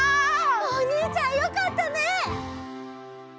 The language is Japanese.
おにいちゃんよかったね！